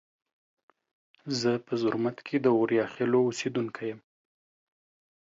زه په زرمت کې د اوریاخیلو اوسیدونکي یم.